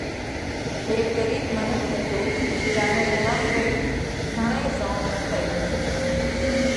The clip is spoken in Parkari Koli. هيڪ ڳرِيٻ منک هتو جيا نئہ ڌرم رئي گھڻئِي زوڻ نتئِي